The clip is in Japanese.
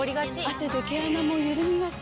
汗で毛穴もゆるみがち。